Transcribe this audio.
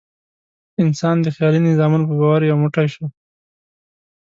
انسان د خیالي نظامونو په باور یو موټی شوی.